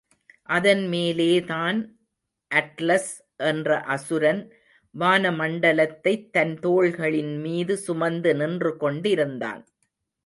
அதன்மேலேதான் Atlas என்ற அசுரன் வான மண்டலத்தைத் தன் தோள்களின் மீது சுமந்து நின்று கொண்டிருந்தான்.